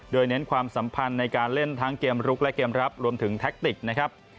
โดยเน้นความสัมพันธ์ในการเล่นทั้งเกมลุกและเกมรับรวมถึงแท็กติกนะครับ